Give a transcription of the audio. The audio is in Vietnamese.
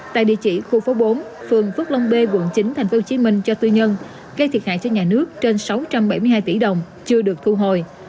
tại địa chỉ khu phố bốn phường phước long b quận chín tp hcm cho tư nhân gây thiệt hại cho nhà nước trên sáu trăm bảy mươi hai tỷ đồng chưa được thu hồi